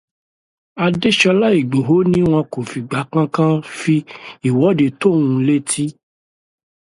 Adéṣọlá Ìgbòho ní wọn kò fìgbà kankan fi ìwọ́de tó òun létí.